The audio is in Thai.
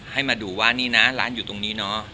ให้มาดูว่านี่นะร้านอยู่ตรงนี้เนอะ